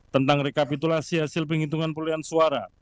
tentang rekapitulasi hasil penghitungan pelian suara